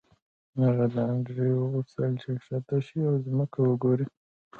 هغه له انډریو وغوښتل چې ښکته شي او ځمکه وګوري